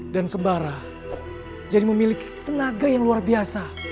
dan sembara jadi memiliki tenaga yang luar biasa